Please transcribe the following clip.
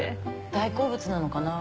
大好物なのかな？